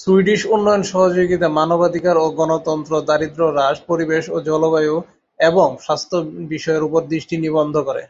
Swedish উন্নয়ন সহযোগিতা মানবাধিকার ও গণতন্ত্র, দারিদ্র্য হ্রাস, পরিবেশ ও জলবায়ু এবং স্বাস্থ্য বিষয়ের উপর দৃষ্টি নিবদ্ধ করে।